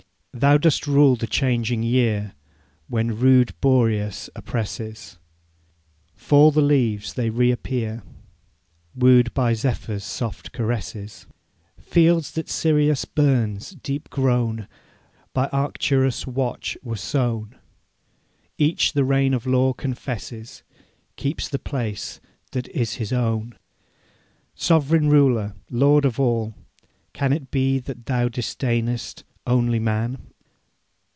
'Thou dost rule the changing year: When rude Boreas oppresses, Fall the leaves; they reappear, Wooed by Zephyr's soft caresses. Fields that Sirius burns deep grown By Arcturus' watch were sown: Each the reign of law confesses, Keeps the place that is his own. 'Sovereign Ruler, Lord of all! Can it be that Thou disdainest Only man?